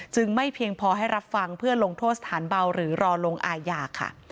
ไม่เพียงพอให้รับฟังเพื่อลงโทษสถานเบาหรือรอลงอาญาค่ะ